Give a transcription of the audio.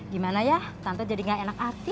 gimana ya tante jadi gak enak hati